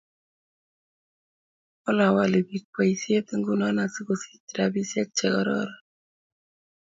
Wala wali biik poisyet nguni asigosich rapisyek che kororon.